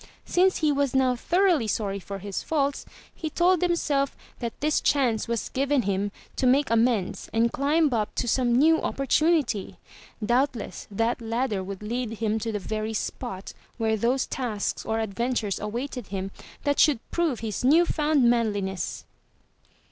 Since he was now thoroughly sorry for his faults, he told himself that this chance was given him to make amends and climb up to some new opportunity. Doubtless that ladder would lead him to the very spot where those tasks or adventures 373 MY BOOK HOUSE awaited him that should prove his new found manhness.